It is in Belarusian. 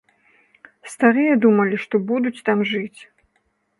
Старыя думалі, што будуць там жыць.